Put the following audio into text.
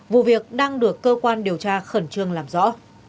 vụ việc đang được cơ quan điều tra khẩn trương làm rõ